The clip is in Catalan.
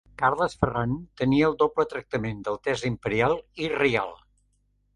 Carles Ferran tenia el doble tractament d'altesa imperial i reial.